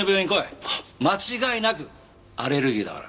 間違いなくアレルギーだから。